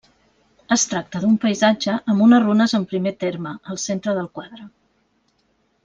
Es tracta d'un paisatge amb unes runes en primer terme, al centre del quadre.